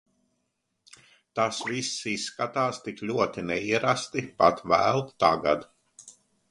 Tas viss izskatās tik ļoti neierasti, pat vēl tagad.